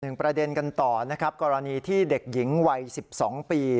ประเด็นกันต่อนะครับกรณีที่เด็กหญิงวัย๑๒ปี